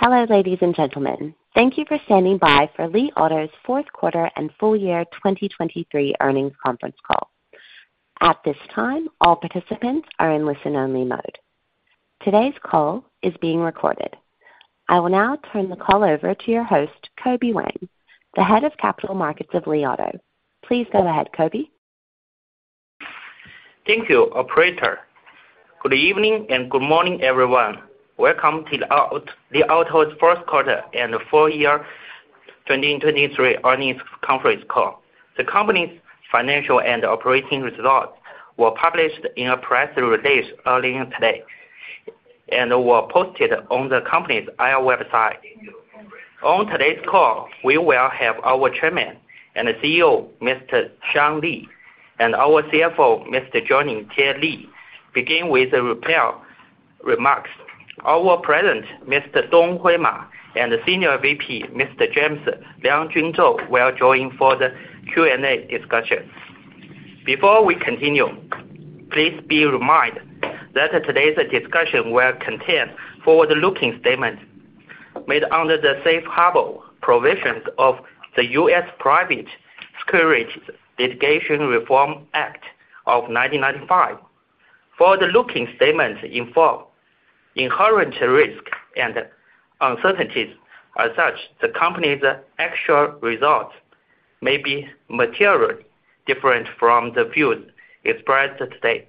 Hello ladies and gentlemen. Thank you for standing by for Li Auto's fourth quarter and full year 2023 earnings conference call. At this time, all participants are in listen-only mode. Today's call is being recorded. I will now turn the call over to your host, Kobe Wang, the head of capital markets of Li Auto. Please go ahead, Kobe. Thank you, operator. Good evening and good morning, everyone. Welcome to Li Auto's fourth quarter and full year 2023 earnings conference call. The company's financial and operating results were published in a press release earlier today and were posted on the company's IR website. On today's call, we will have our Chairman and CEO, Mr. Xiang Li, and our CFO, Mr. Johnny Tie Li, begin with opening remarks. Our President, Mr. Donghui Ma, and Senior VP, Mr. James Liangjun Zou, will join for the Q&A discussion. Before we continue, please be reminded that today's discussion will contain forward-looking statements made under the safe harbor provisions of the U.S. Private Securities Litigation Reform Act of 1995. Forward-looking statements involve inherent risk and uncertainties as such, the company's actual results may be materially different from the views expressed today.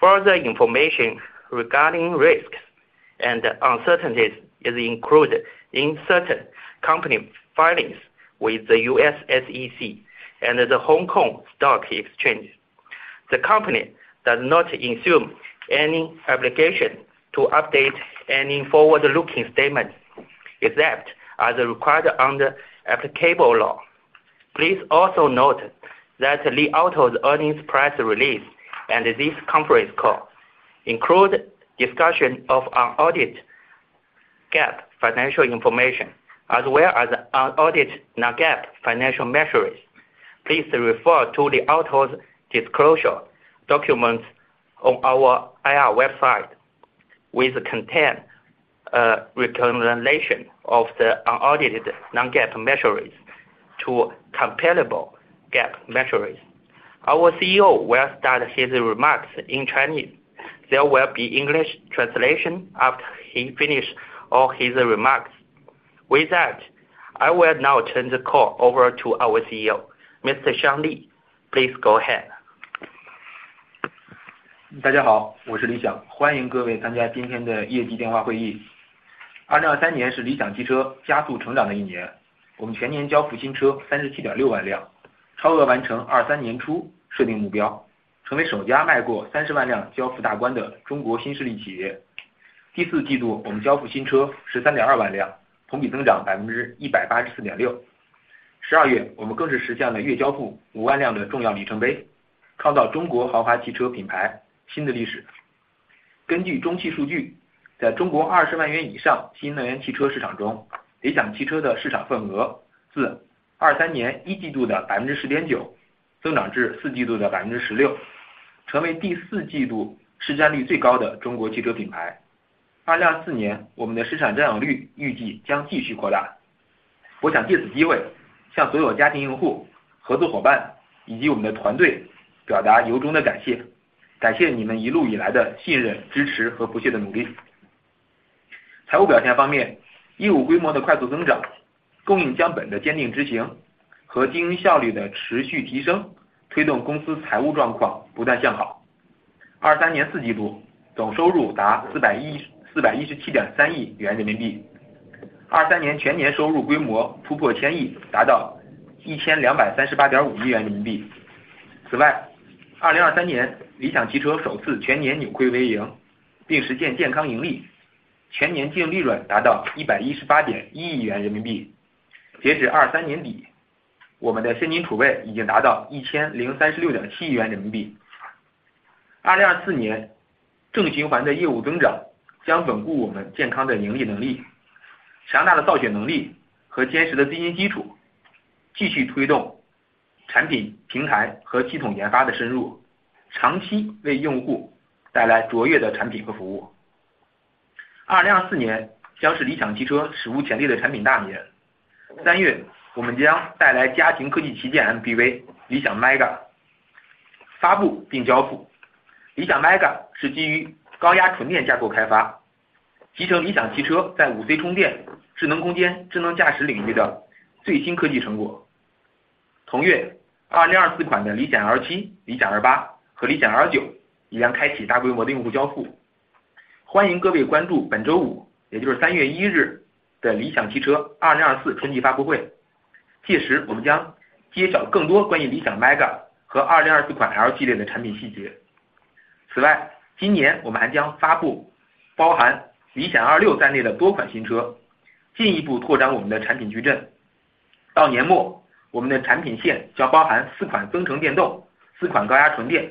Further information regarding risks and uncertainties is included in certain company filings with the U.S. SEC and the Hong Kong Stock Exchange. The company does not assume any obligation to update any forward-looking statements except as required under applicable law. Please also note that Li Auto's earnings press release and this conference call include discussion of unaudited GAAP financial information as well as unaudited non-GAAP financial measures. Please refer to Li Auto's disclosure documents on our IR website which contain a reconciliation of the unaudited non-GAAP measures to comparable GAAP measures. Our CEO will start his remarks in Chinese. There will be English translation after he finishes all his remarks. With that, I will now turn the call over to our CEO, Mr. Xiang Li. Please go ahead. Max 3.0为所有的用户带来了高速+城市全场景智能驾驶NOA，覆盖全国高速、城市环线和超过110个城市的城区道路。预计今年二季度我们会实现无图版城市NOA全国全部开放，进一步提升城市NOA的能力，使用范围不再受限任何的城市，并且会通过OTA升级到所有的AD Max车型上。截止目前，理想用户的智能驾驶NOA累计里程已经达到5.6亿公里。在2月8日至17日的十天春节假期中，超过22万理想用户享受到智能驾驶NOA带来的出行便利，NOA累计行驶里程超过5000万公里。智能空间方面，OTA 5.0之前相比整个数字实现了翻倍。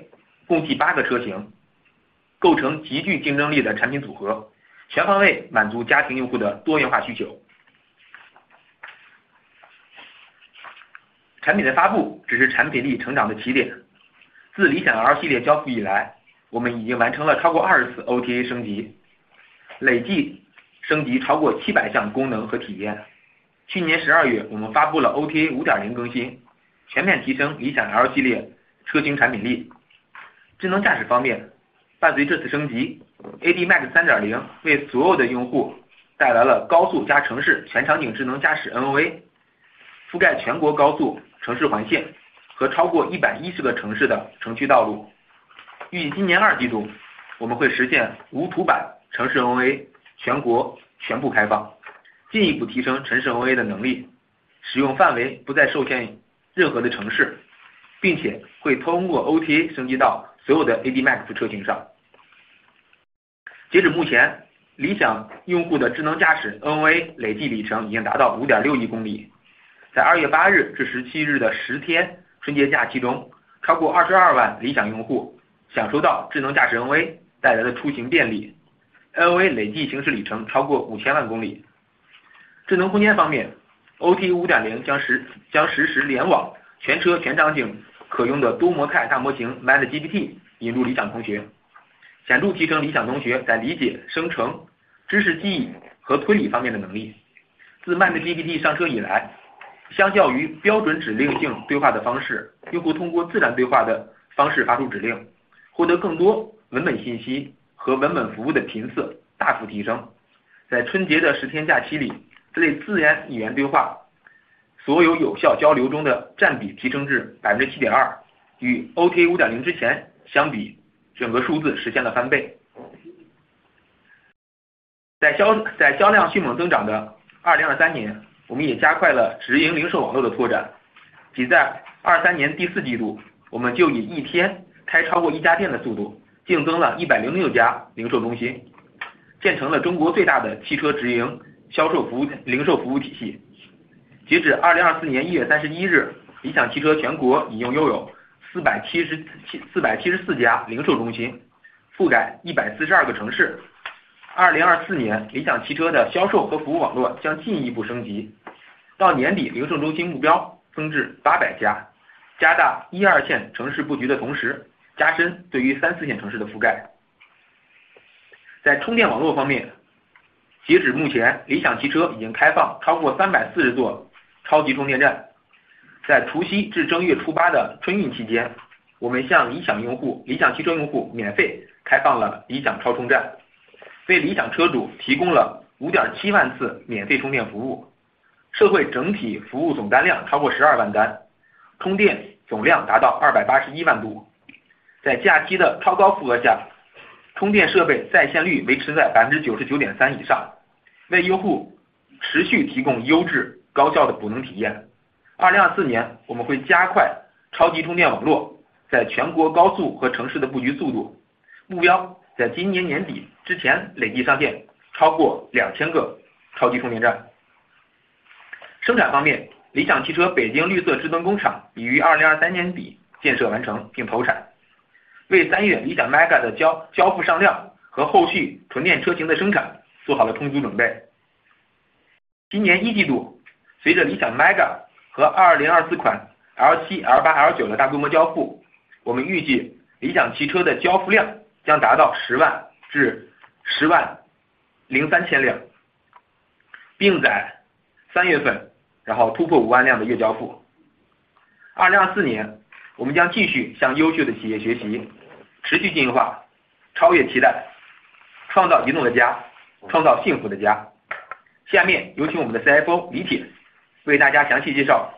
Tie Li为大家详细介绍我们的财务表现。Now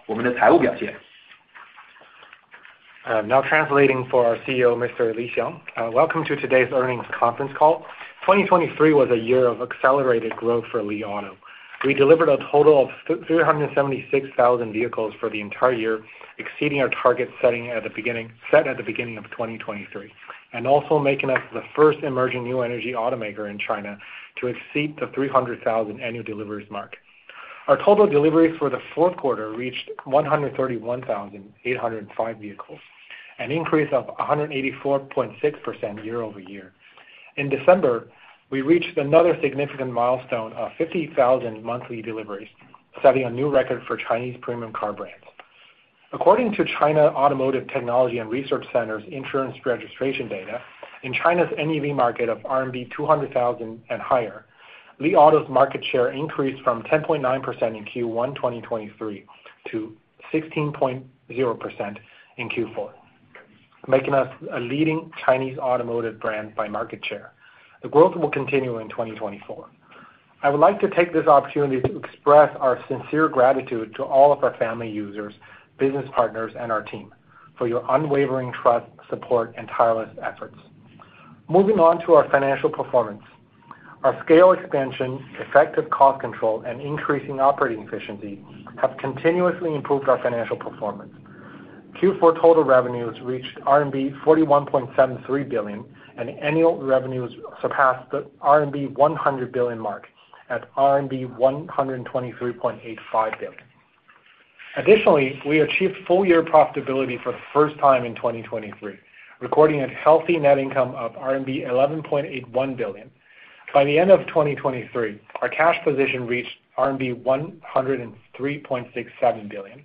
translating for our CEO, Mr. Li Xiang. Welcome to today's earnings conference call. 2023 was a year of accelerated growth for Li Auto. We delivered a total of 376,000 vehicles for the entire year, exceeding our target set at the beginning of 2023, and also making us the first emerging new energy automaker in China to exceed the 300,000 annual deliveries mark. Our total deliveries for the fourth quarter reached 131,805 vehicles, an increase of 184.6% year over year. In December, we reached another significant milestone of 50,000 monthly deliveries, setting a new record for Chinese premium car brands. According to China Automotive Technology and Research Center's insurance registration data, in China's NEV market of RMB 200,000 and higher, Li Auto's market share increased from 10.9% in Q1 2023 to 16.0% in Q4, making us a leading Chinese automotive brand by market share. The growth will continue in 2024. I would like to take this opportunity to express our sincere gratitude to all of our family users, business partners, and our team for your unwavering trust, support, and tireless efforts. Moving on to our financial performance, our scale expansion, effective cost control, and increasing operating efficiency have continuously improved our financial performance. Q4 total revenues reached RMB 41.73 billion, and annual revenues surpassed the RMB 100 billion mark at RMB 123.85 billion. Additionally, we achieved full-year profitability for the first time in 2023, recording a healthy net income of RMB 11.81 billion. By the end of 2023, our cash position reached RMB 103.67 billion.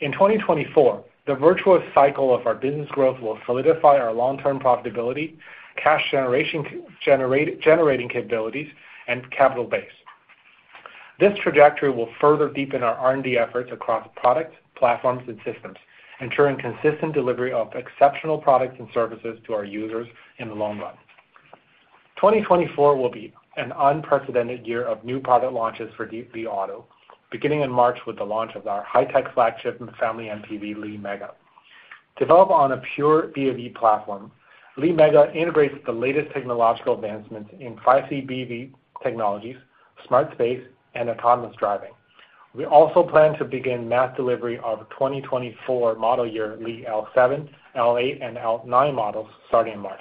In 2024, the virtuous cycle of our business growth will solidify our long-term profitability, cash generating capabilities, and capital base. This trajectory will further deepen our R&D efforts across products, platforms, and systems, ensuring consistent delivery of exceptional products and services to our users in the long run. 2024 will be an unprecedented year of new product launches for Li Auto, beginning in March with the launch of our high-tech flagship and family MPV, Li MEGA. Developed on a pure BEV platform, Li MEGA integrates the latest technological advancements in 5C BEV technologies, smart space, and autonomous driving. We also plan to begin mass delivery of 2024 model year Li L7, L8, and L9 models starting in March.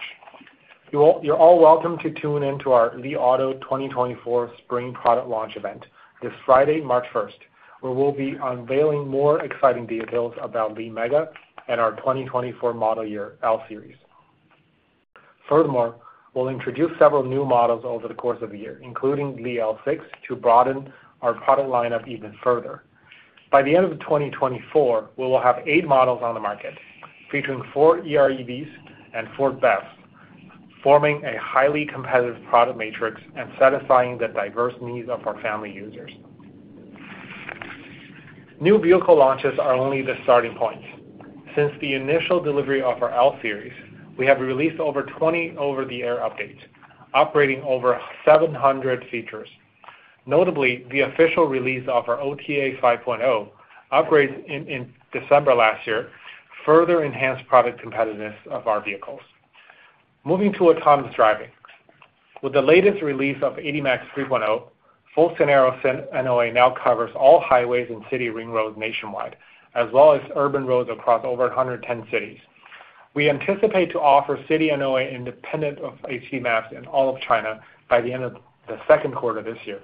You're all welcome to tune into our Li Auto 2024 Spring Product Launch Event this Friday, March 1st, where we'll be unveiling more exciting details about Li MEGA and our 2024 model year L series. Furthermore, we'll introduce several new models over the course of the year, including Li L6, to broaden our product lineup even further. By the end of 2024, we will have eight models on the market, featuring four EREVs and four BEVs, forming a highly competitive product matrix and satisfying the diverse needs of our family users. New vehicle launches are only the starting point. Since the initial delivery of our L series, we have released over 20 over-the-air updates, operating over 700 features. Notably, the official release of our OTA 5.0 upgrades in December last year further enhanced product competitiveness of our vehicles. Moving to autonomous driving, with the latest release of AD Max 3.0, full scenario NOA now covers all highways and city ring roads nationwide, as well as urban roads across over 110 cities. We anticipate to offer City NOA independent of HD Map in all of China by the end of the second quarter this year,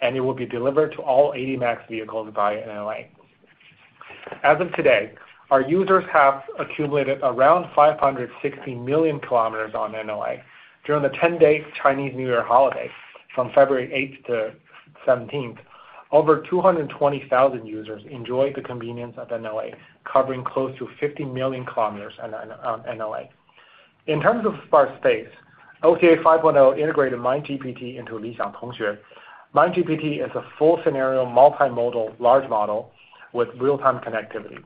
and it will be delivered to all AD Max vehicles via NOA. As of today, our users have accumulated around 560 million kilometers on NOA during the 10-day Chinese New Year holiday, from February 8th to 17th. Over 220,000 users enjoy the convenience of NOA, covering close to 50 million kilometers on NOA. In terms of smart space, OTA 5.0 integrated MindGPT into Li Xiang Tongxue. MindGPT is a full scenario multimodal large model with real-time connectivity.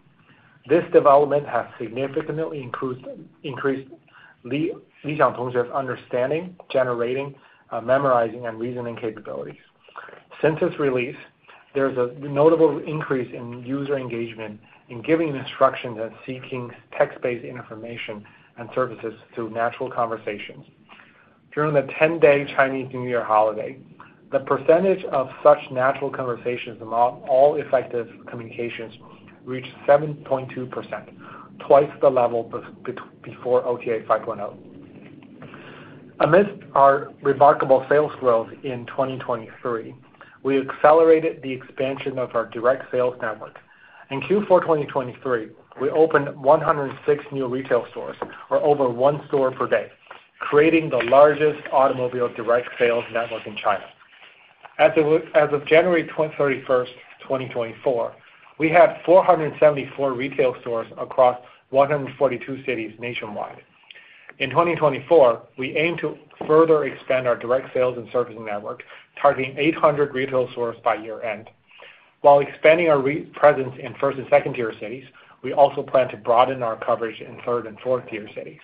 This development has significantly increased Li Xiang Tongxue's understanding, generating, memorizing, and reasoning capabilities. Since its release, there's a notable increase in user engagement in giving instructions and seeking text-based information and services through natural conversations. During the 10-day Chinese New Year holiday, the percentage of such natural conversations in all effective communications reached 7.2%, twice the level before OTA 5.0. Amidst our remarkable sales growth in 2023, we accelerated the expansion of our direct sales network. In Q4 2023, we opened 106 new retail stores, or over one store per day, creating the largest automobile direct sales network in China. As of January 31st, 2024, we have 474 retail stores across 142 cities nationwide. In 2024, we aim to further expand our direct sales and servicing network, targeting 800 retail stores by year-end. While expanding our presence in first- and second-tier cities, we also plan to broaden our coverage in third- and fourth-tier cities.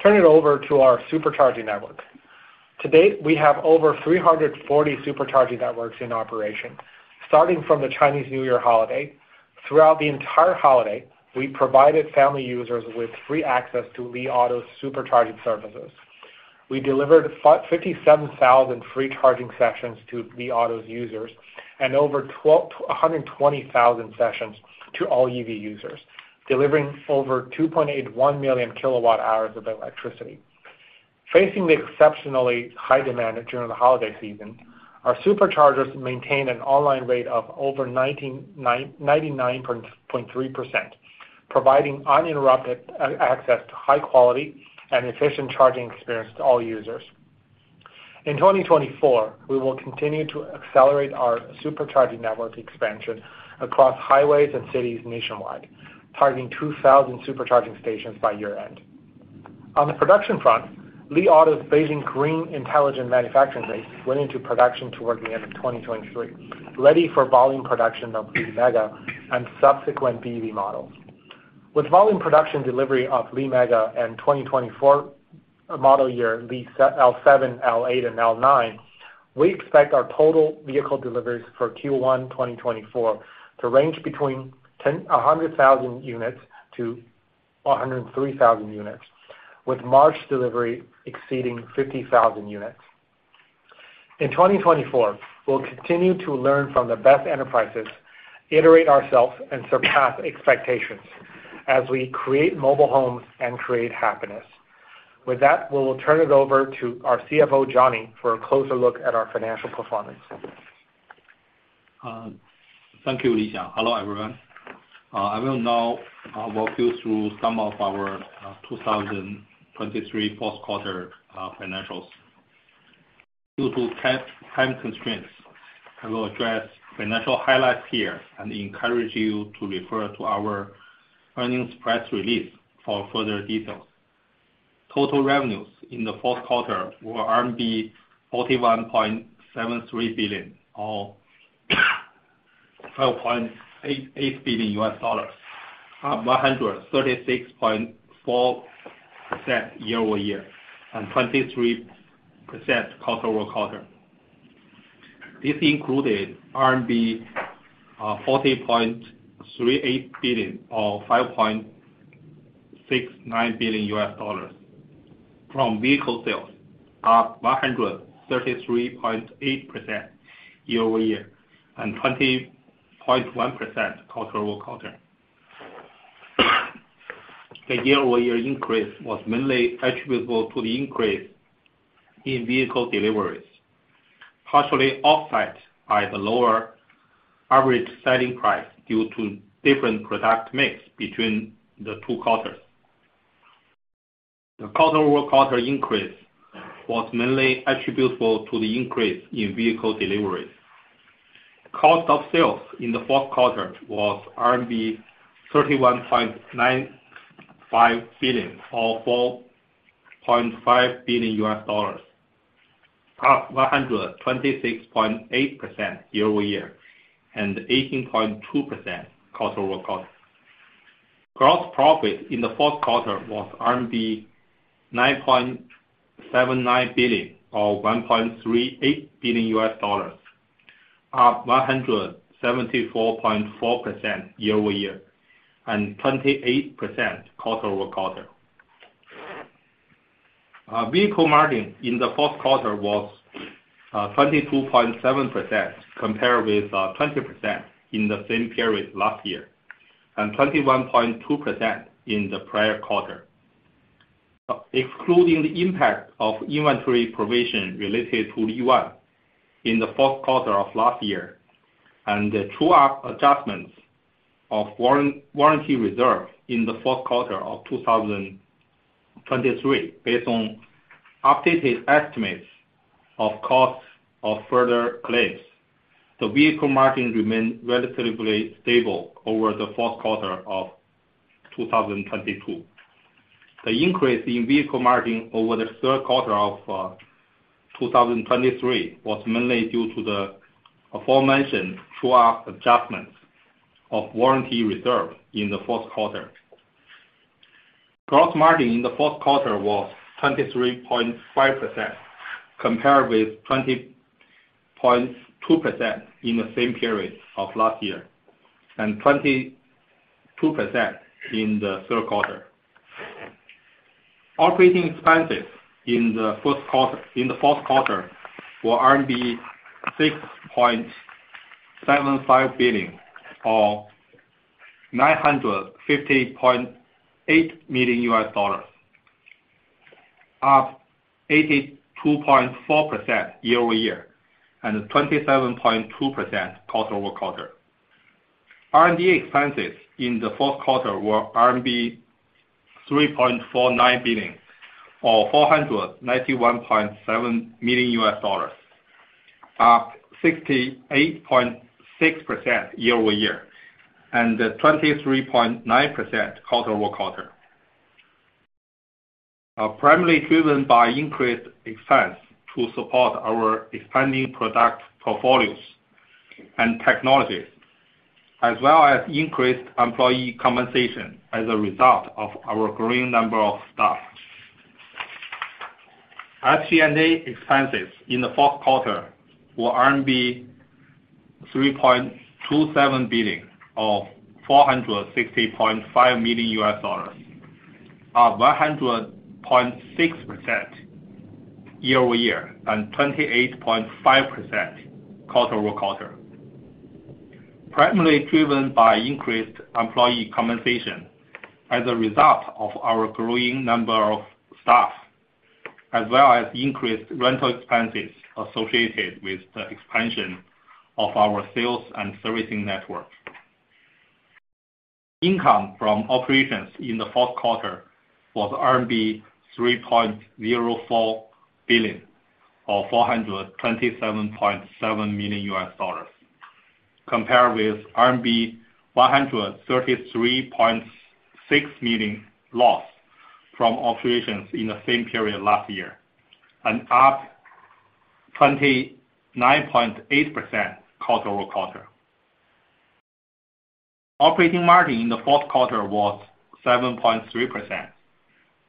Turning it over to our supercharging network. To date, we have over 340 supercharging networks in operation, starting from the Chinese New Year holiday. Throughout the entire holiday, we provided family users with free access to Li Auto's supercharging services. We delivered 57,000 free charging sessions to Li Auto's users and over 120,000 sessions to all EV users, delivering over 2.81 million kWh of electricity. Facing the exceptionally high demand during the holiday season, our superchargers maintain an online rate of over 99.3%, providing uninterrupted access to high-quality and efficient charging experience to all users. In 2024, we will continue to accelerate our supercharging network expansion across highways and cities nationwide, targeting 2,000 supercharging stations by year-end. On the production front, Li Auto's Beijing Green Intelligent Manufacturing Base went into production toward the end of 2023, ready for volume production of Li MEGA and subsequent BEV models. With volume production delivery of Li MEGA and 2024 model year Li L7, L8, and L9, we expect our total vehicle deliveries for Q1 2024 to range between 100,000-103,000 units, with March delivery exceeding 50,000 units. In 2024, we'll continue to learn from the best enterprises, iterate ourselves, and surpass expectations as we create mobile homes and create happiness. With that, we will turn it over to our CFO, Johnny, for a closer look at our financial performance. Thank you, Li Xiang. Hello, everyone. I will now walk you through some of our 2023 fourth quarter financials. Due to time constraints, I will address financial highlights here and encourage you to refer to our earnings press release for further details. Total revenues in the fourth quarter were 41.73 billion, or $12.88 billion, up 136.4% year-over-year and 23% quarter-over-quarter. This included RMB 40.38 billion, or $5.69 billion, from vehicle sales, up 133.8% year-over-year and 20.1% quarter-over-quarter. The year-over-year increase was mainly attributable to the increase in vehicle deliveries, partially offset by the lower average selling price due to different product mix between the two quarters. The quarter-over-quarter increase was mainly attributable to the increase in vehicle deliveries. Cost of sales in the fourth quarter was RMB 31.95 billion, or $4.5 billion, up 126.8% year-over-year and 18.2% quarter-over-quarter. Gross profit in the fourth quarter was RMB 9.79 billion, or $1.38 billion, up 174.4% year-over-year and 28% quarter-over-quarter. Vehicle margin in the fourth quarter was 22.7% compared with 20% in the same period last year and 21.2% in the prior quarter. Excluding the impact of inventory provision related to Li ONE in the fourth quarter of last year and the true-up adjustments of warranty reserve in the fourth quarter of 2023, based on updated estimates of costs of further claims, the vehicle margin remained relatively stable over the fourth quarter of 2022. The increase in vehicle margin over the third quarter of 2023 was mainly due to the aforementioned true-up adjustments of warranty reserve in the fourth quarter. Gross margin in the fourth quarter was 23.5% compared with 20.2% in the same period of last year and 22% in the third quarter. Operating expenses in the fourth quarter were 6.75 billion, or $950.8 million, up 82.4% year-over-year and 27.2% quarter-over-quarter. R&D expenses in the fourth quarter were RMB 3.49 billion, or $491.7 million, up 68.6% year-over-year and 23.9% quarter-over-quarter, primarily driven by increased expense to support our expanding product portfolios and technologies, as well as increased employee compensation as a result of our growing number of staff. SG&A expenses in the fourth quarter were RMB 3.27 billion, or $460.5 million, up 100.6% year-over-year and 28.5% quarter-over-quarter, primarily driven by increased employee compensation as a result of our growing number of staff, as well as increased rental expenses associated with the expansion of our sales and servicing network. Income from operations in the fourth quarter was RMB 3.04 billion, or $427.7 million, compared with RMB 133.6 million loss from operations in the same period last year and up 29.8% quarter-over-quarter. Operating margin in the fourth quarter was 7.3%,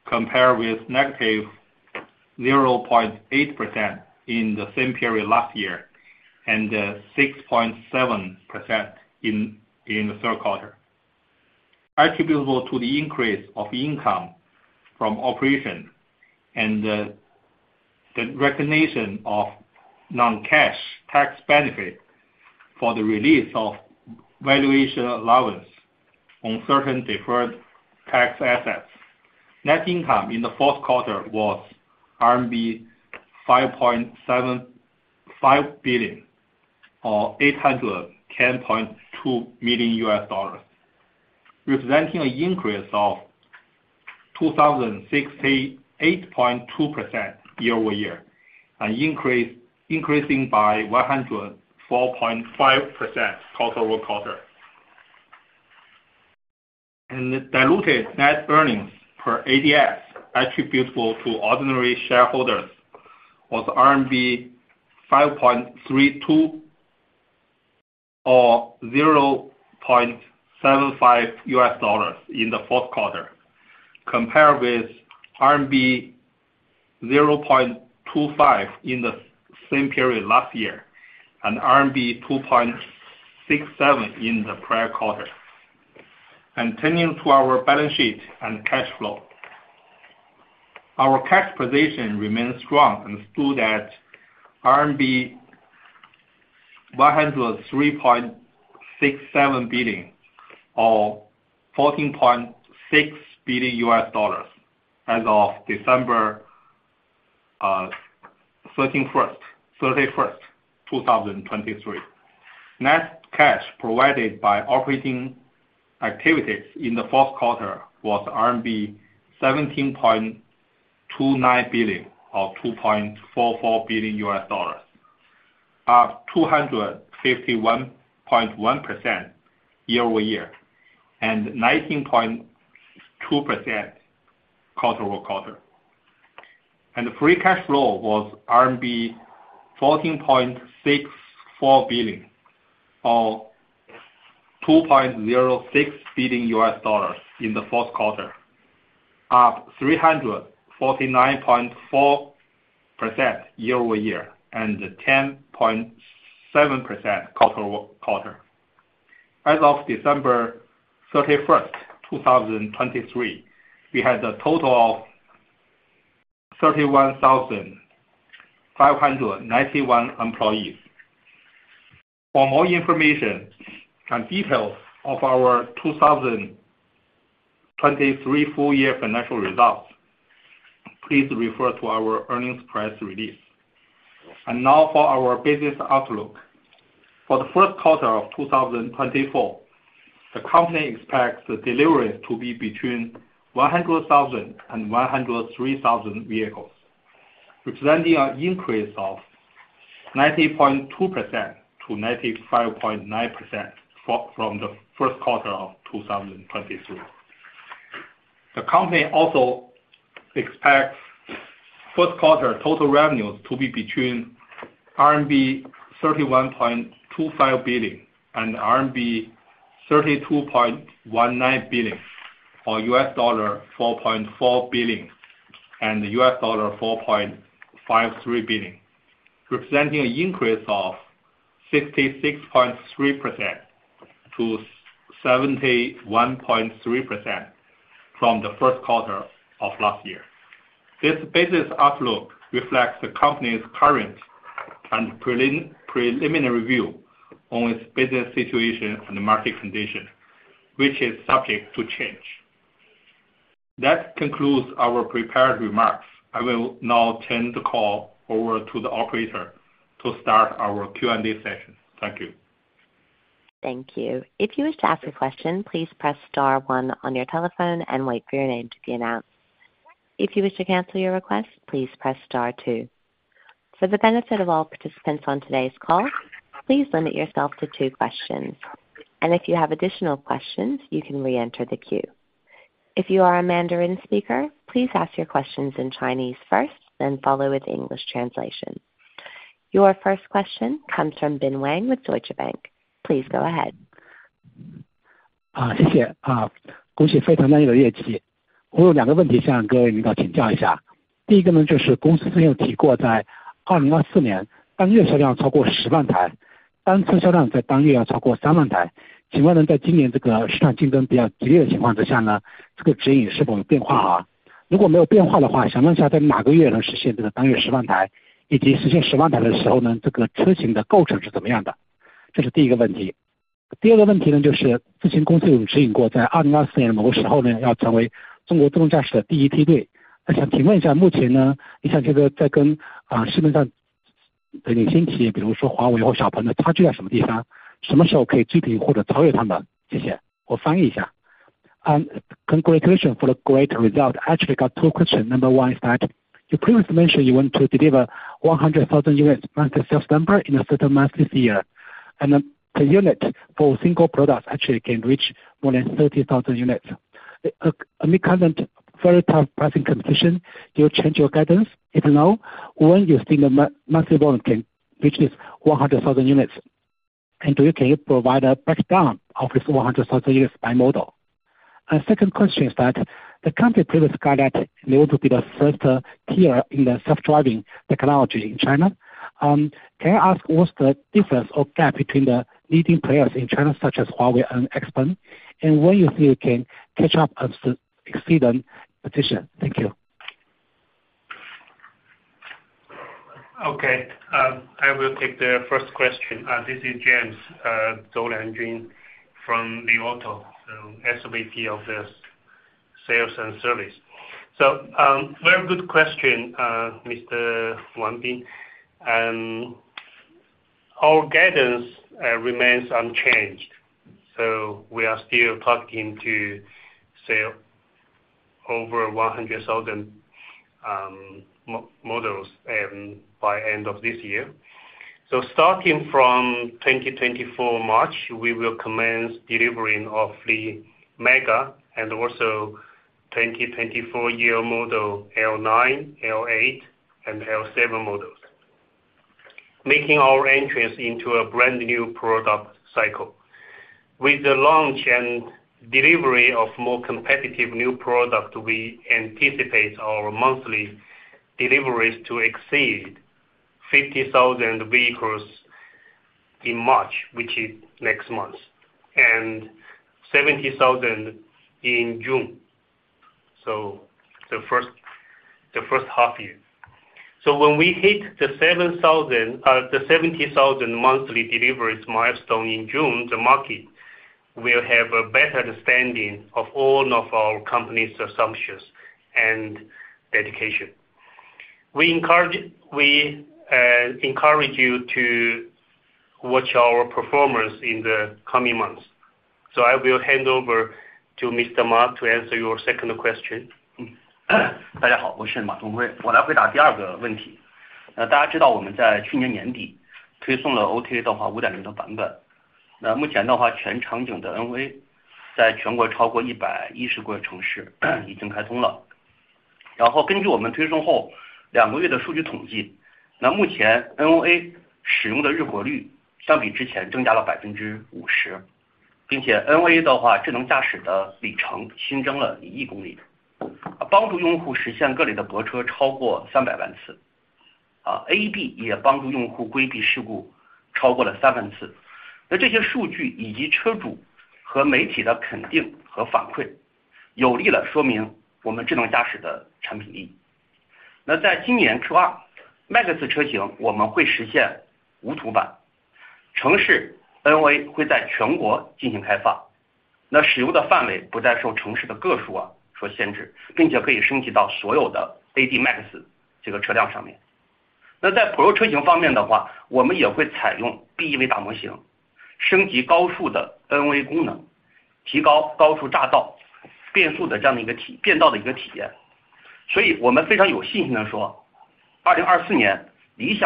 compared with -0.8% in the same period last year and 6.7% in the third quarter, attributable to the increase of income from operation and the recognition of non-cash tax benefit for the release of valuation allowance on certain deferred tax assets. Net income in the fourth quarter was RMB 5.75 billion, or $810.2 million, representing an increase of 268.2% year-over-year and increasing by 104.5% quarter-over-quarter. Diluted net earnings per ADS attributable to ordinary shareholders was RMB 5.32, or $0.75, in the fourth quarter, compared with RMB 0.25 in the same period last year and RMB 2.67 in the prior quarter. Turning to our balance sheet and cash flow, our cash position remains strong and stood at RMB 103.67 billion, or $14.6 billion, as of December 31st, 2023. Net cash provided by operating activities in the fourth quarter was RMB 17.29 billion, or $2.44 billion, up 251.1% year-over-year and 19.2% quarter-over-quarter. Free cash flow was RMB 14.64 billion, or $2.06 billion, in the fourth quarter, up 349.4% year-over-year and 10.7% quarter-over-quarter. As of December 31st, 2023, we had a total of 31,591 employees. For more information and details of our 2023 full-year financial results, please refer to our earnings press release. Now for our business outlook. For the first quarter of 2024, the company expects the deliveries to be between 100,000 and 103,000 vehicles, representing an increase of 90.2%-95.9% from the first quarter of 2023. The company also expects first quarter total revenues to be between RMB 31.25 billion and RMB 32.19 billion, or $4.4 billion and $4.53 billion, representing an increase of 66.3%-71.3% from the first quarter of last year. This business outlook reflects the company's current and preliminary view on its business situation and market condition, which is subject to change. That concludes our prepared remarks. I will now turn the call over to the operator to start our Q&A session. Thank you. Thank you. If you wish to ask a question, please press star one on your telephone and wait for your name to be announced. If you wish to cancel your request, please press star two. For the benefit of all participants on today's call, please limit yourself to two questions. If you have additional questions, you can reenter the queue. If you are a Mandarin speaker, please ask your questions in Chinese first, then follow with English translation. Your first question comes from Bin Wang with Deutsche Bank. Please go ahead. Congratulations for the great result. Actually, I got two questions. Number one is that you previously mentioned you want to deliver 100,000 units monthly sales number in a certain month this year, and the unit for single products actually can reach more than 30,000 units. Amid current very tough pricing competition, do you change your guidance? If no, when do you think the monthly volume can reach this 100,000 units? And do you provide a breakdown of this 100,000 units by model? And the second question is that the company previously got that they want to be the first tier in the self-driving technology in China. Can I ask what's the difference or gap between the leading players in China, such as Huawei and XPeng, and when do you think you can catch up and exceed them? Position. Thank you. Okay. I will take the first question. This is James Zou Liangjun from Li Auto, SVP of Sales and Service. Very good question, Mr. Wang Bin. Our guidance remains unchanged. We are still talking to sell over 100,000 models by the end of this year. Starting from March 2024, we will commence delivering of the MEGA and also 2024 year model L9, L8, and L7 models, making our entrance into a brand new product cycle. With the launch and delivery of more competitive new products, we anticipate our monthly deliveries to exceed 50,000 vehicles in March, which is next month, and 70,000 in June, so the first half year. When we hit the 70,000 monthly deliveries milestone in June, the market will have a better understanding of all of our company's assumptions and dedication. We encourage you to watch our performance in the coming months. I will hand over to Mr. Ma to answer your second question. NOA 功能，提高高速匝道变速的这样的一个体变道的一个体验。所以我们非常有信心地说，2024 年理想汽车的智能驾驶的产品和研发能力在国内绝对是数一数二的。谢谢。We released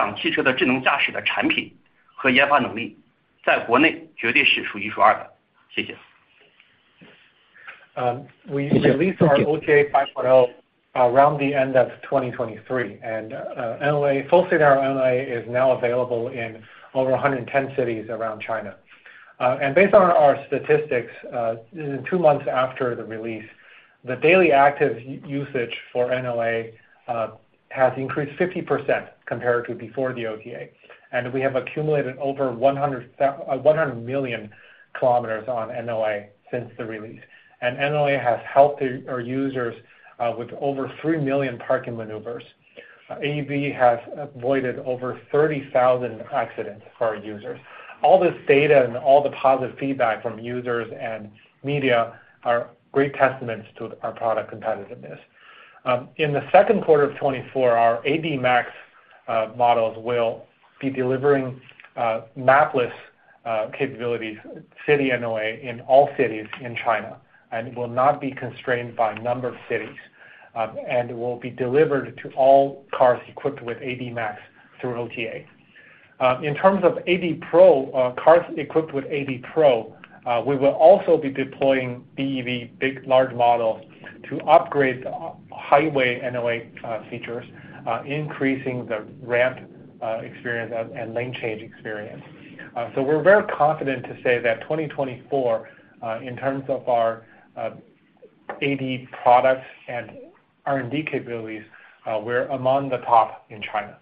our OTA 5.0 around the end of 2023, and full-scenario NOA is now available in over 110 cities around China. Based on our statistics, in two months after the release, the daily active usage for NOA has increased 50% compared to before the OTA. We have accumulated over 100 million kilometers on NOA since the release. NOA has helped our users with over 3 million parking maneuvers. AD has avoided over 30,000 accidents for our users. All this data and all the positive feedback from users and media are great testaments to our product competitiveness. In the second quarter of 2024, our AD Max models will be delivering mapless capabilities, city NOA in all cities in China, and will not be constrained by number of cities. It will be delivered to all cars equipped with AD Max through OTA. In terms of AD Pro, cars equipped with AD Pro, we will also be deploying BEV big large model to upgrade the Highway NOA features, increasing the ramp experience and lane change experience. So we're very confident to say that 2024, in terms of our AD products and R&D capabilities, we're among the top in China.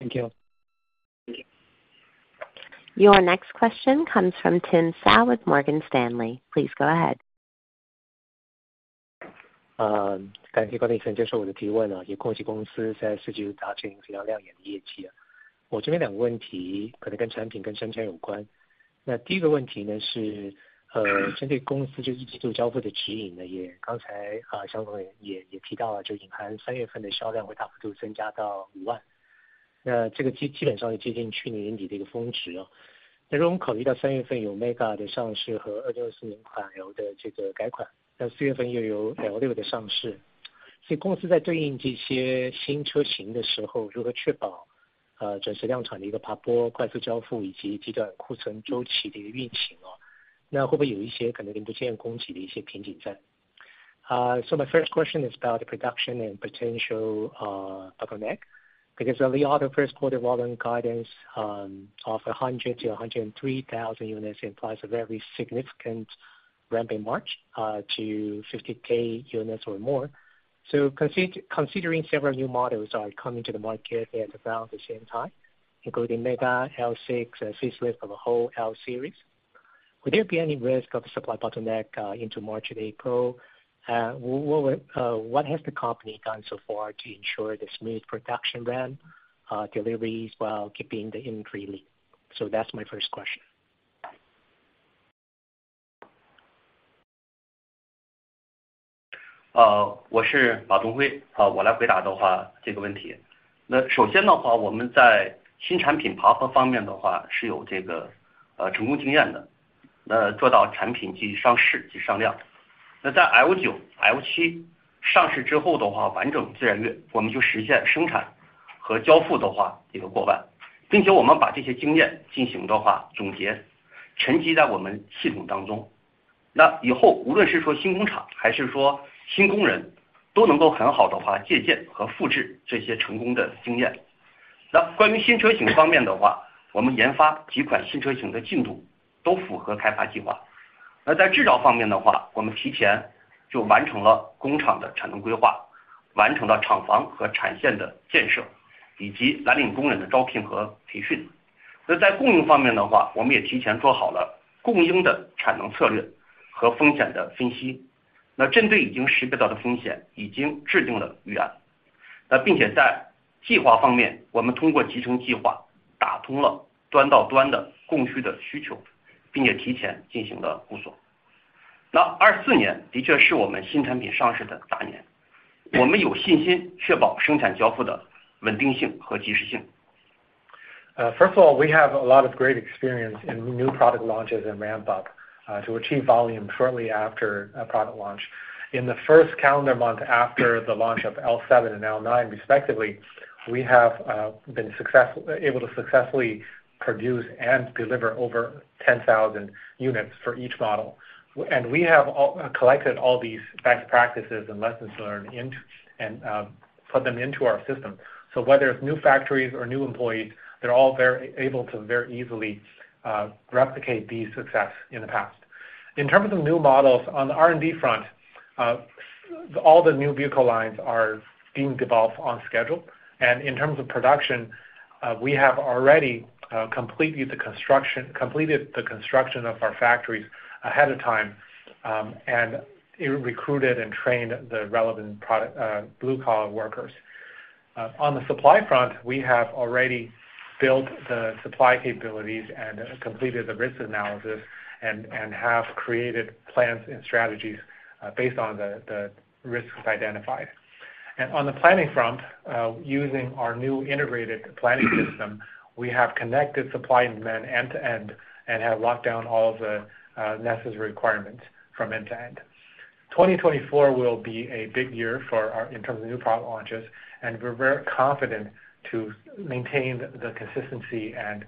Thank you. Your next question comes from Tim Hsiao with Morgan Stanley. Please go ahead. So my first question is about the production and potential bottleneck. Because Li Auto first quarter volume guidance of 100,000-103,000 units implies a very significant ramp in March to 50,000 units or more. So considering several new models are coming to the market at around the same time, including Li MEGA, Li L6, facelift of a whole L series, would there be any risk of supply bottleneck into March and April? What has the company done so far to ensure the smooth production ramp deliveries while keeping the inventory low? So that's my first question. 我是Ma Donghui。我来回答这个问题。那首先我们在新产品爬坡方面是有成功经验的，做到产品即上市即上量。那在Li L9、Li First of all, we have a lot of great experience in new product launches and ramp up to achieve volume shortly after product launch. In the first calendar month after the launch of L7 and L9 respectively, we have been able to successfully produce and deliver over 10,000 units for each model. We have collected all these best practices and lessons learned and put them into our system. So whether it's new factories or new employees, they're all very able to very easily replicate these successes in the past. In terms of new models on the R&D front, all the new vehicle lines are being developed on schedule. In terms of production, we have already completed the construction of our factories ahead of time and recruited and trained the relevant blue-collar workers. On the supply front, we have already built the supply capabilities and completed the risk analysis and have created plans and strategies based on the risks identified. On the planning front, using our new integrated planning system, we have connected supply and demand end to end and have locked down all of the necessary requirements from end to end. 2024 will be a big year in terms of new product launches, and we're very confident to maintain the consistency and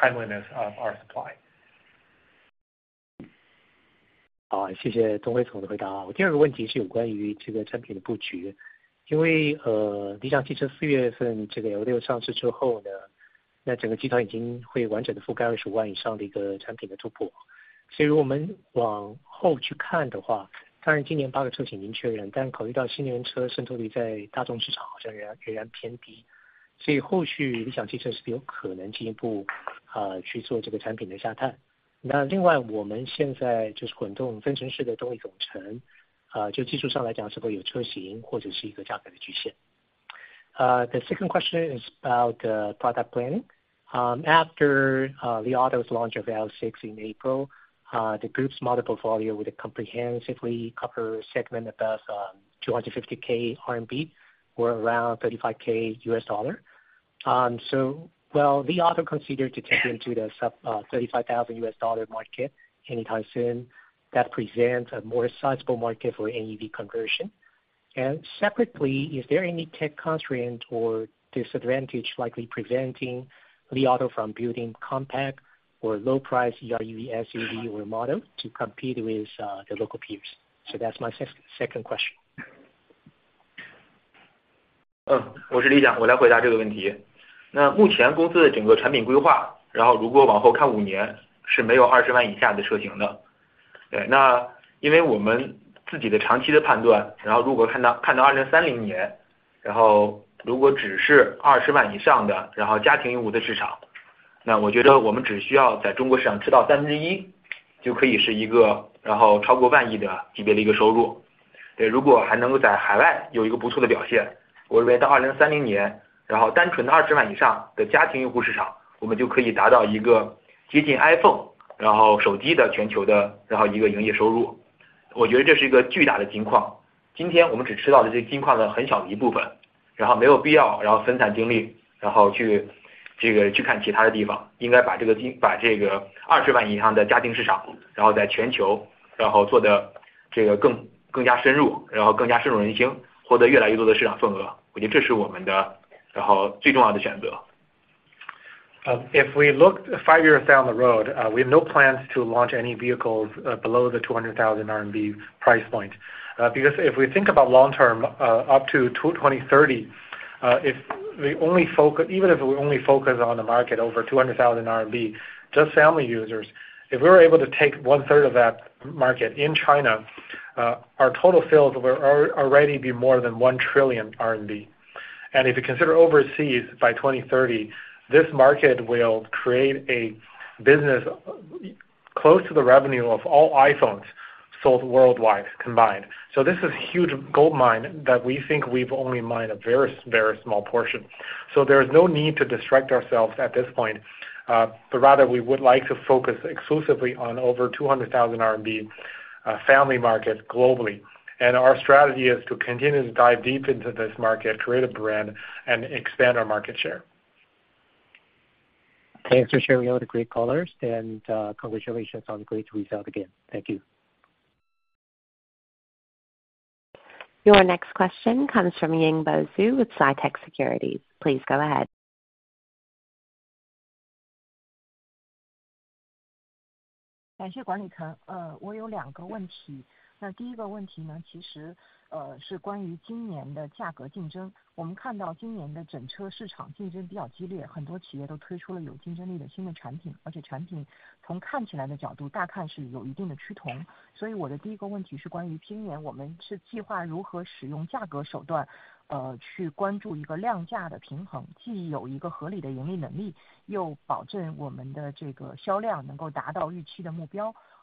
timeliness of our supply. 谢谢东辉总的回答。我第二个问题是有关于这个产品的布局。因为理想汽车4月份这个L6上市之后，那整个集团已经会完整地覆盖25万以上的一个产品的突破。所以如果我们往后去看的话，当然今年八个车型已经确认，但考虑到新能源车渗透率在大众市场好像仍然偏低。所以后续理想汽车是有可能进一步去做这个产品的下探。那另外我们现在就是滚动分层式的动力总成，就技术上来讲是否有车型或者是一个价格的局限。The second question is about the product planning. After Li Auto's launch of L6 in April, the group's model portfolio would comprehensively cover a segment above RMB 250,000 or around $35,000. So while Li Auto considers to take into the sub-$35,000 market anytime soon, that presents a more sizable market for NEV conversion. And separately, is there any tech constraint or disadvantage likely preventing Li Auto from building compact or low-price EREV SUV or model to compete with the local peers? So that's my second question. If we look 5 years down the road, we have no plans to launch any vehicles below the 200,000 RMB price point. Because if we think about long term, up to 2030, if we only focus, even if we only focus on the market over 200,000 RMB, just family users, if we were able to take 1/3 of that market in China, our total sales will already be more than 1 trillion RMB. And if you consider overseas by 2030, this market will create a business close to the revenue of all iPhones sold worldwide combined. So this is a huge gold mine that we think we've only mined a very, very small portion. So there is no need to distract ourselves at this point. But rather, we would like to focus exclusively on over 200,000 RMB family market globally. Our strategy is to continue to dive deep into this market, create a brand, and expand our market share. Thanks for sharing all the great callers. Congratulations on the great result again. Thank you. Your next question comes from Yingbo Xu with Citi. Please go ahead.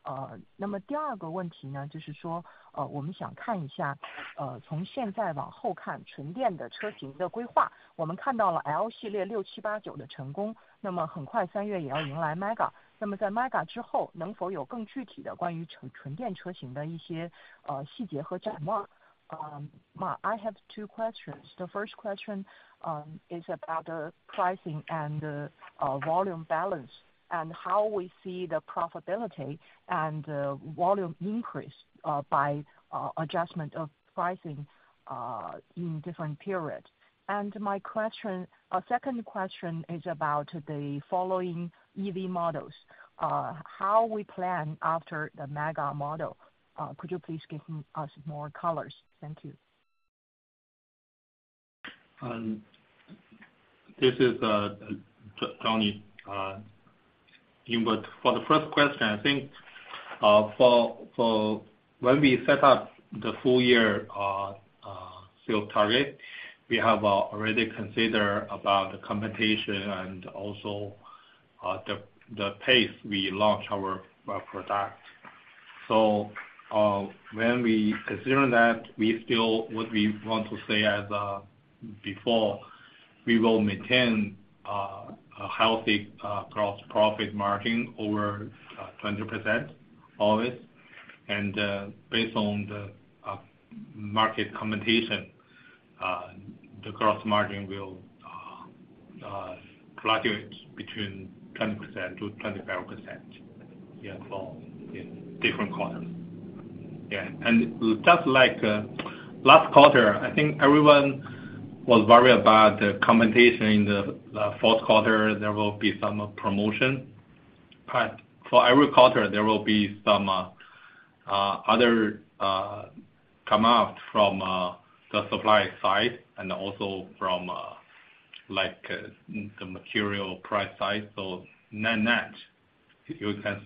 I have two questions. The first question is about the pricing and volume balance, and how we see the profitability and volume increase by adjustment of pricing in different periods. My second question is about the following EV models: how we plan after the Mega model? Could you please give us more colors? Thank you. This is Johnny. But for the first question, I think when we set up the full-year sales target, we have already considered about the competition and also the pace we launch our product. So when we consider that, what we want to say is, before, we will maintain a healthy gross profit margin over 20% always. And based on the market competition, the gross margin will fluctuate between 20%-25% in different quarters. Yeah. And just like last quarter, I think everyone was worried about the competition in the fourth quarter. There will be some promotion. But for every quarter, there will be some other come out from the supply side and also from the material price side. So net-net you can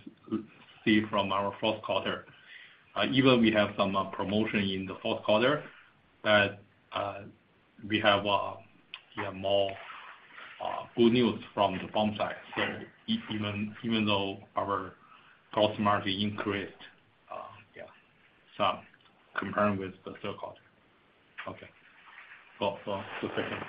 see from our fourth quarter, even we have some promotion in the fourth quarter, but we have more good news from the bump side. So even though our gross margin increased, yeah, compared with the third quarter. Okay. Cool. So the second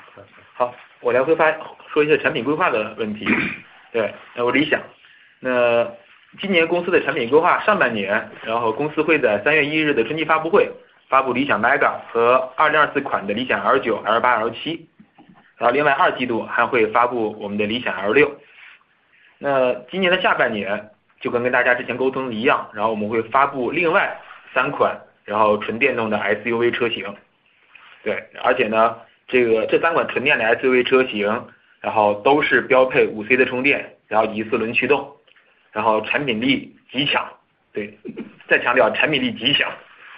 question. Auto史无前例的产品大年，然后年底的时候就会有四款增程电动和四款高压纯电，八款极具竞争力的产品组合，共同满足家庭用户的需求。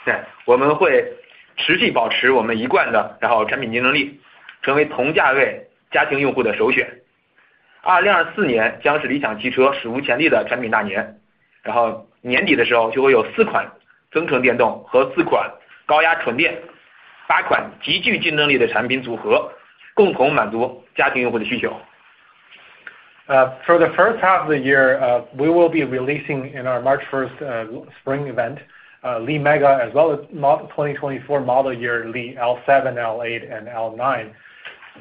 For the first half of the year, we will be releasing in our March 1st spring event, Li MEGA as well as 2024 model year Li L7, L8, and L9.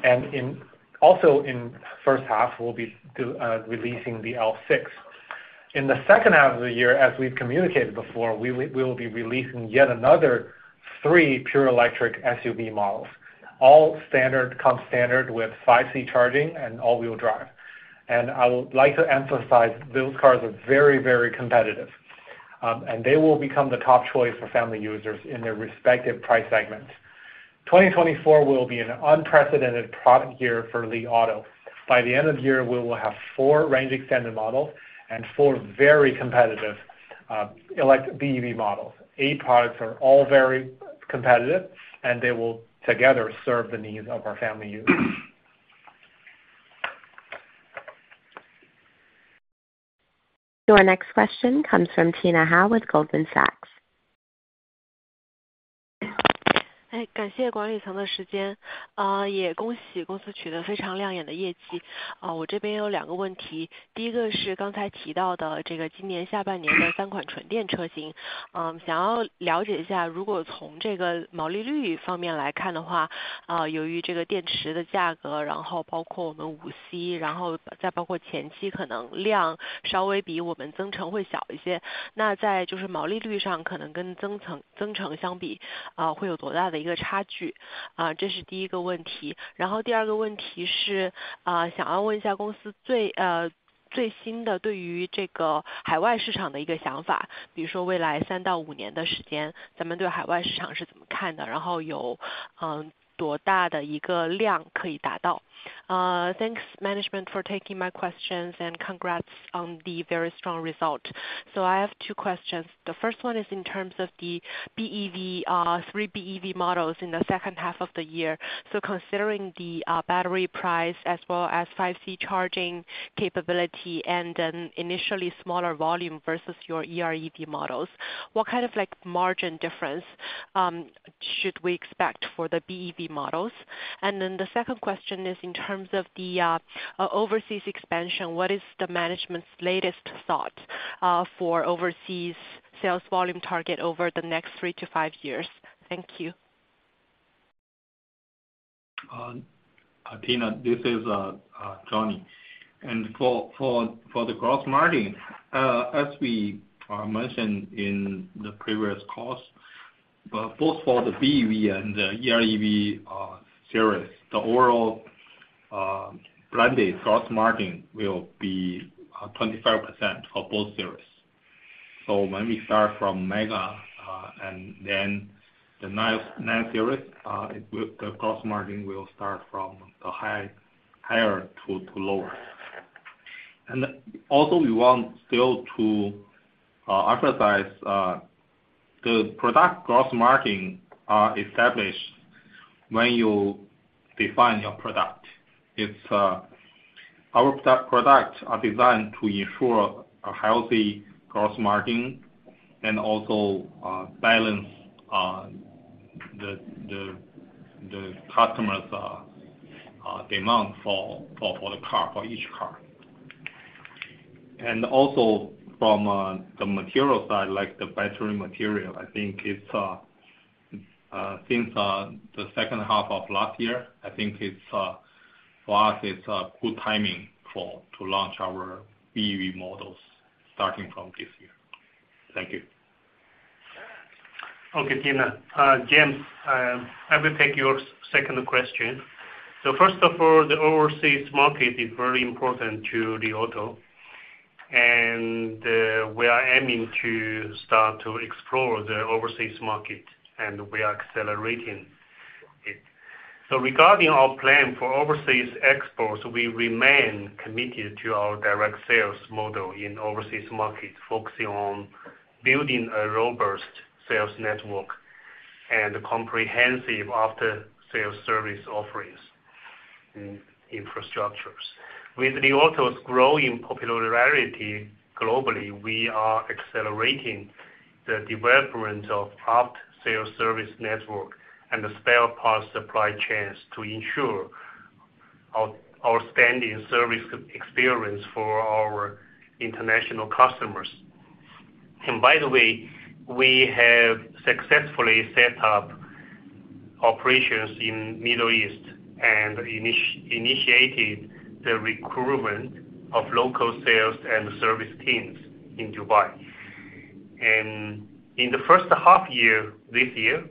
And also in first half, we'll be releasing the L6. In the second half of the year, as we've communicated before, we will be releasing yet another three pure electric SUV models, all come standard with 5C charging and all-wheel drive. And I would like to emphasize those cars are very, very competitive, and they will become the top choice for family users in their respective price segments. 2024 will be an unprecedented product year for Li Auto. By the end of the year, we will have four range-extended models and four very competitive BEV models. Eight products are all very competitive, and they will together serve the needs of our family users. Your next question comes from Tina Hou with Goldman Sachs. Thanks, management, for taking my questions and congrats on the very strong result. So I have two questions. The first one is in terms of the three BEV models in the second half of the year. So considering the battery price as well as 5C charging capability and an initially smaller volume versus your EREV models, what kind of margin difference should we expect for the BEV models? And then the second question is in terms of the overseas expansion, what is the management's latest thought for overseas sales volume target over the next three to five years? Thank you. Tina, this is Johnny. For the gross margin, as we mentioned in the previous calls, both for the BEV and the EREV series, the overall branded gross margin will be 25% for both series. So when we start from Mega and then the 9 series, the gross margin will start from higher to lower. And also, we want still to emphasize the product gross margin established when you define your product. Our products are designed to ensure a healthy gross margin and also balance the customer's demand for each car. And also from the material side, like the battery material, I think since the second half of last year, I think for us, it's good timing to launch our BEV models starting from this year. Thank you. Okay, Tina. James, I will take your second question. First of all, the overseas market is very important to Li Auto, and we are aiming to start to explore the overseas market, and we are accelerating it. Regarding our plan for overseas exports, we remain committed to our direct sales model in overseas markets, focusing on building a robust sales network and comprehensive after-sales service offerings and infrastructures. With Li Auto's growing popularity globally, we are accelerating the development of our after-sales service network and the spare parts supply chains to ensure outstanding service experience for our international customers. By the way, we have successfully set up operations in the Middle East and initiated the recruitment of local sales and service teams in Dubai. In the first half year this year,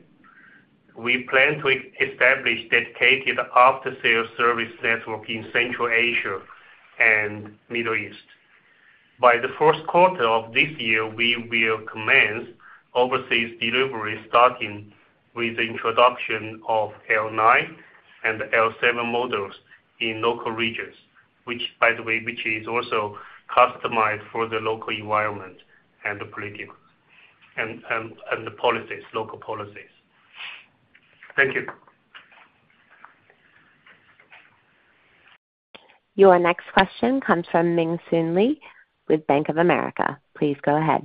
we plan to establish dedicated after-sales service network in Central Asia and the Middle East. By the first quarter of this year, we will commence overseas delivery starting with the introduction of L9 and L7 models in local regions, by the way, which is also customized for the local environment and the local policies. Thank you. Your next question comes from Ming Hsun Lee with Bank of America. Please go ahead.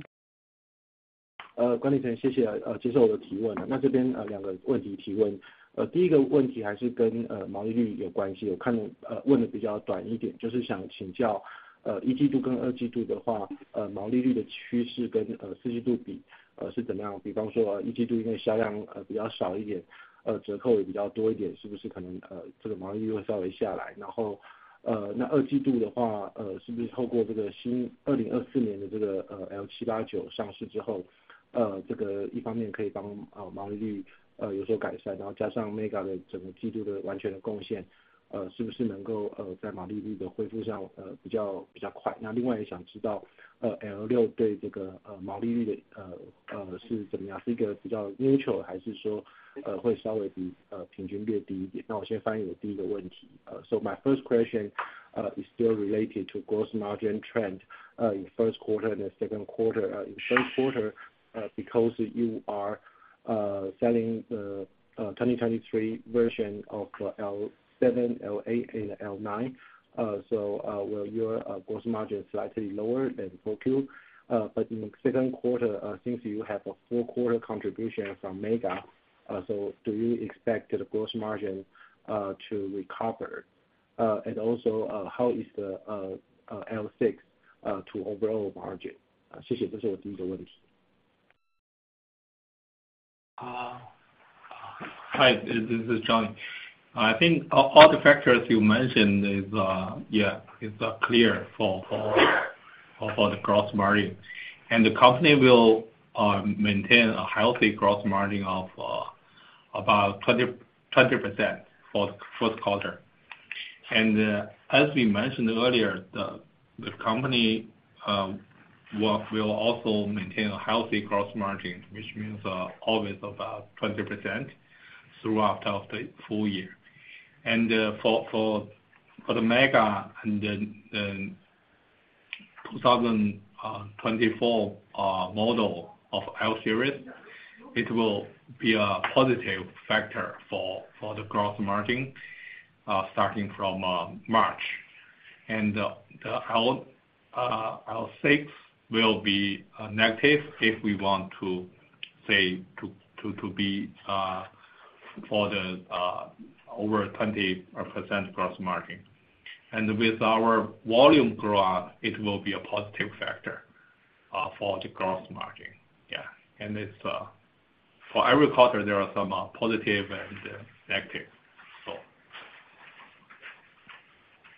So my first question is still related to gross margin trend in first quarter and the second quarter. In first quarter, because you are selling the 2023 version of L7, L8, and L9, so will your gross margin slightly lower than 4Q? But in the second quarter, since you have a four-quarter contribution from Mega, so do you expect the gross margin to recover? And also, how is the L6 to overall margin? 谢谢，这是我第一个问题。Hi, this is Johnny. I think all the factors you mentioned are clear for the gross margin. The company will maintain a healthy gross margin of about 20% for the first quarter. As we mentioned earlier, the company will also maintain a healthy gross margin, which means always about 20% throughout the full year. For the Mega and the 2024 model of L series, it will be a positive factor for the gross margin starting from March. The L6 will be negative if we want to, say, be for the over 20% gross margin. With our volume growth, it will be a positive factor for the gross margin. Yeah. For every quarter, there are some positive and negative,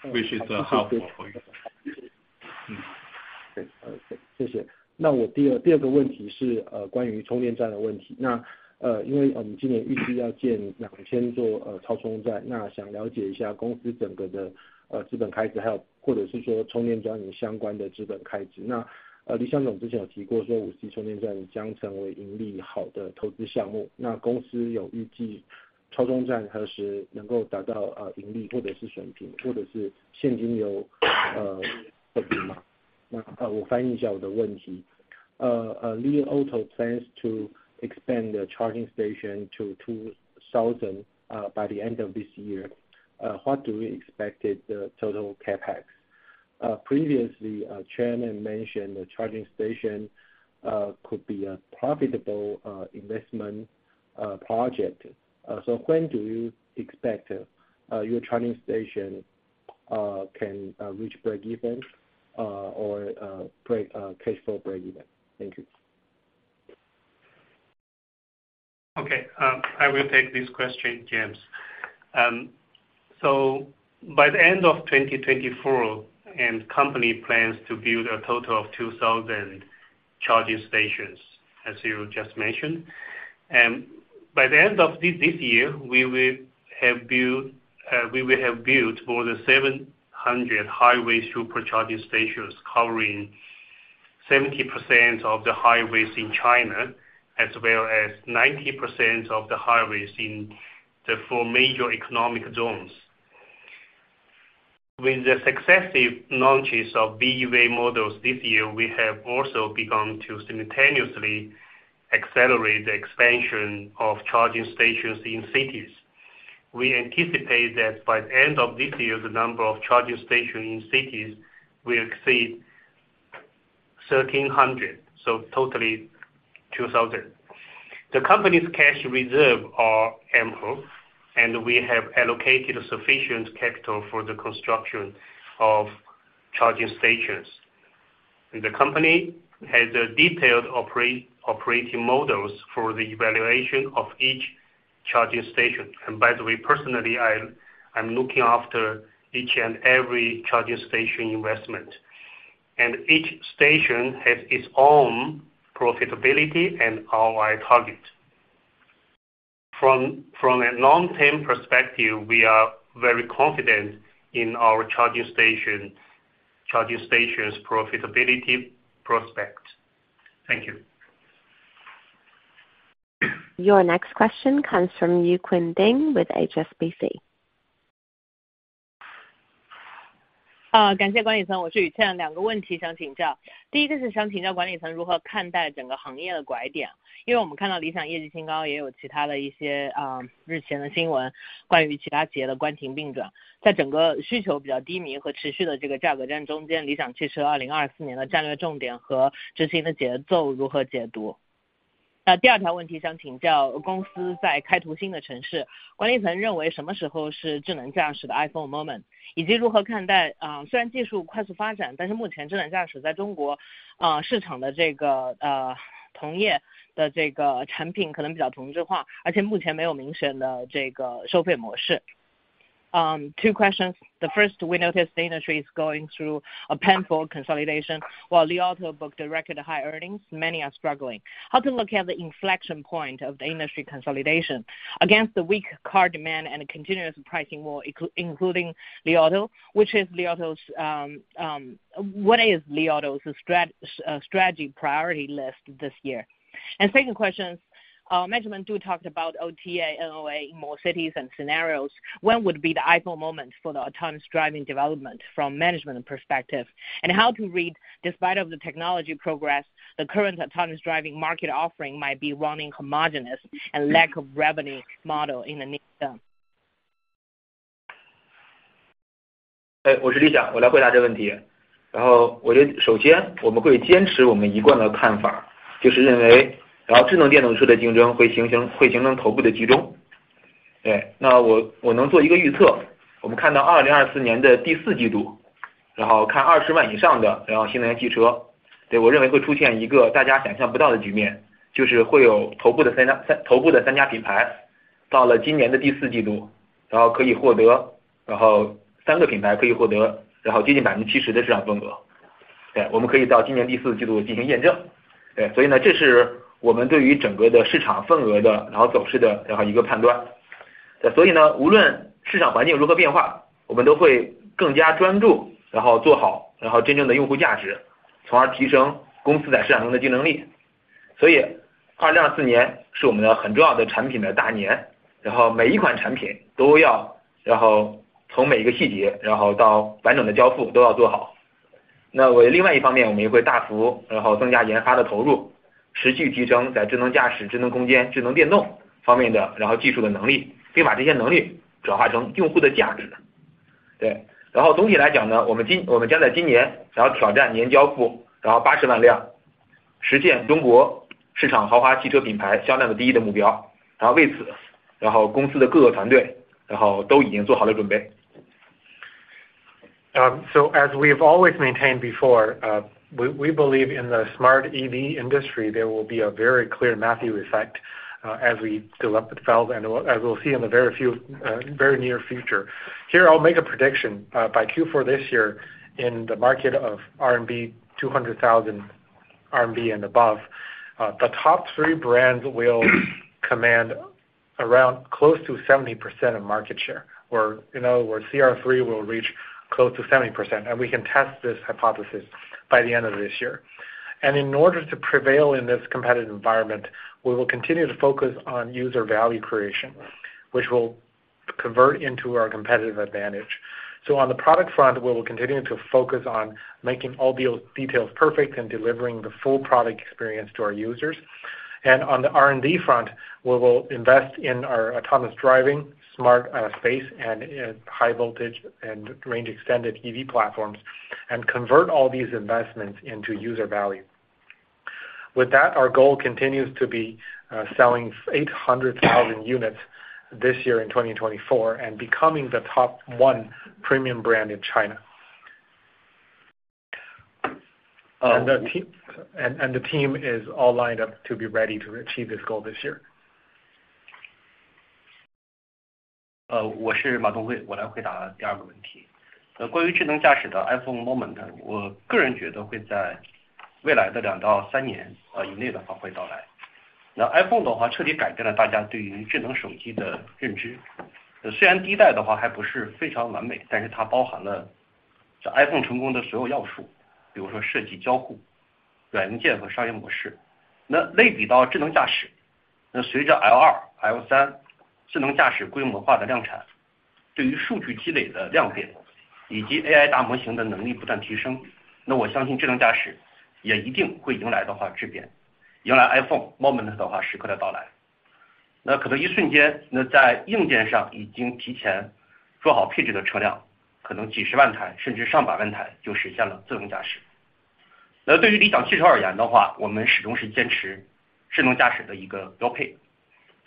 which is helpful for you. 谢谢。那我第二个问题是关于充电站的问题。那因为我们今年预计要建2,000座超充站，那想了解一下公司整个的资本开支，还有或者是说充电站相关的资本开支。那李蒋总之前有提过说5C充电站将成为盈利好的投资项目。那公司有预计超充站何时能够达到盈利或者是损平，或者是现金流损平吗？那我翻译一下我的问题。Li Auto plans to expand the charging station to 2,000 by the end of this year. What do we expect the total CapEx? Previously, Chairman mentioned the charging station could be a profitable investment project. So when do you expect your charging station can reach break-even or cash flow break-even? Thank you. Okay. I will take this question, James. So by the end of 2024, and the company plans to build a total of 2,000 charging stations, as you just mentioned, by the end of this year, we will have built more than 700 highway supercharging stations covering 70% of the highways in China as well as 90% of the highways in the four major economic zones. With the successive launches of BEV models this year, we have also begun to simultaneously accelerate the expansion of charging stations in cities. We anticipate that by the end of this year, the number of charging stations in cities will exceed 1,300, so totally 2,000. The company's cash reserve is amplified, and we have allocated sufficient capital for the construction of charging stations. The company has detailed operating models for the evaluation of each charging station. By the way, personally, I'm looking after each and every charging station investment. Each station has its own profitability and ROI target. From a long-term perspective, we are very confident in our charging station's profitability prospect. Thank you. Your next question comes from Yuqian Ding with HSBC. Ding，两个问题想请教。第一个是想请教管理层如何看待整个行业的拐点，因为我们看到理想业绩新高，也有其他的一些日前的新闻关于其他企业的关停并转。在整个需求比较低迷和持续的价格战中间，理想汽车2024年的战略重点和执行的节奏如何解读？那第二条问题想请教公司在开拓新的城市，管理层认为什么时候是智能驾驶的iPhone moment，以及如何看待虽然技术快速发展，但是目前智能驾驶在中国市场的同业的产品可能比较同质化，而且目前没有明显的收费模式。Two questions. The first, we notice the industry is going through a painful consolidation while Li Auto booked a record high earnings. Many are struggling. How to look at the inflection point of the industry consolidation against the weak car demand and continuous pricing war, including Li Auto? What is Li Auto's strategy priority list this year? And second questions, management do talk about OTA and NOA in more cities and scenarios. When would be the iPhone moment for the autonomous driving development from management perspective, and how to read, despite the technology progress, the current autonomous driving market offering might be running homogeneous and lack of revenue model in the near term? So as we have always maintained before, we believe in the smart EV industry, there will be a very clear Matthew effect as we develop the evolves, and as we'll see in the very near future. Here, I'll make a prediction. By Q4 this year, in the market of 200,000 RMB and above, the top three brands will command close to 70% of market share, or in other words, CR3 will reach close to 70%. And we can test this hypothesis by the end of this year. And in order to prevail in this competitive environment, we will continue to focus on user value creation, which will convert into our competitive advantage. So on the product front, we will continue to focus on making all the details perfect and delivering the full product experience to our users. On the R&D front, we will invest in our autonomous driving, smart space, and high voltage and range-extended EV platforms, and convert all these investments into user value. With that, our goal continues to be selling 800,000 units this year in 2024 and becoming the top one premium brand in China. The team is all lined up to be ready to achieve this goal this year. 我是马东辉。我来回答第二个问题。关于智能驾驶的iPhone moment，我个人觉得会在未来的两到三年以内的话会到来。那iPhone的话彻底改变了大家对于智能手机的认知。虽然第一代的话还不是非常完美，但是它包含了iPhone成功的所有要素，比如说设计、交互、软件和商业模式。那类比到智能驾驶，随着L2、L3智能驾驶规模化的量产，对于数据积累的量变以及AI大模型的能力不断提升，那我相信智能驾驶也一定会迎来的话质变，迎来iPhone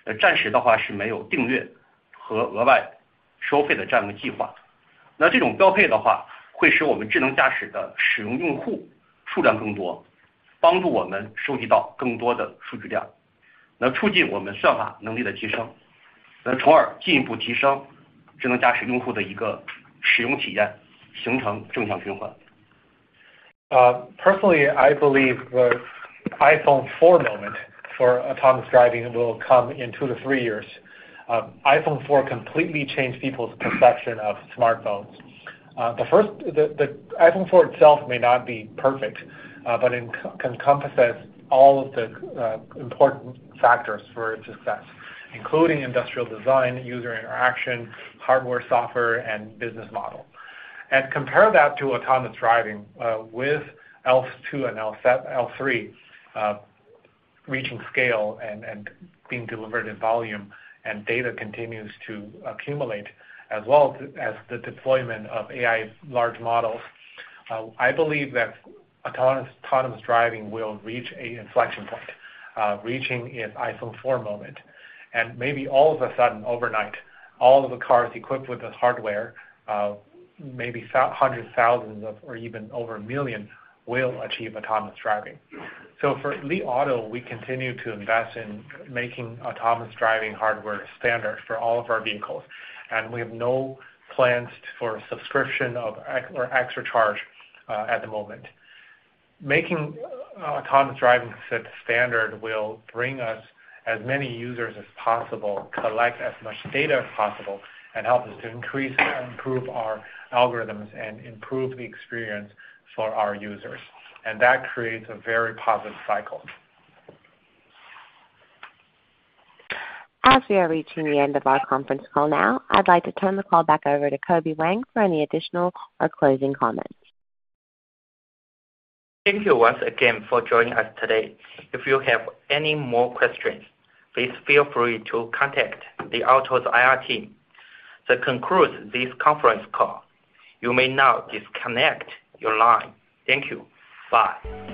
moment的话时刻的到来。那可能一瞬间，那在硬件上已经提前做好配置的车辆，可能几十万台甚至上百万台就实现了智能驾驶。那对于理想汽车而言的话，我们始终是坚持智能驾驶的一个标配。那暂时的话是没有订阅和额外收费的这样一个计划。那这种标配的话会使我们智能驾驶的使用用户数量更多，帮助我们收集到更多的数据量，那促进我们算法能力的提升，那从而进一步提升智能驾驶用户的一个使用体验，形成正向循环。Personally, I believe the iPhone 4 moment for autonomous driving will come in 2-3 years. iPhone 4 completely changed people's perception of smartphones. The iPhone 4 itself may not be perfect, but it encompasses all of the important factors for its success, including industrial design, user interaction, hardware, software, and business model. Compare that to autonomous driving with L2 and L3 reaching scale and being delivered in volume, and data continues to accumulate as well as the deployment of AI large models. I believe that autonomous driving will reach an inflection point, reaching its iPhone 4 moment. Maybe all of a sudden, overnight, all of the cars equipped with the hardware, maybe hundreds of thousands or even over a million, will achieve autonomous driving. For Li Auto, we continue to invest in making autonomous driving hardware standard for all of our vehicles, and we have no plans for subscription or extra charge at the moment. Making autonomous driving set standard will bring us as many users as possible, collect as much data as possible, and help us to increase and improve our algorithms and improve the experience for our users. That creates a very positive cycle. As we are reaching the end of our conference call now, I'd like to turn the call back over to Kobe Wang for any additional or closing comments. Thank you once again for joining us today. If you have any more questions, please feel free to contact Li Auto's IR team. To conclude this conference call, you may now disconnect your line. Thank you. Bye.